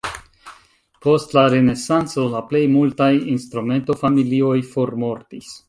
Post la renesanco la plej multaj instrumento-familioj formortis.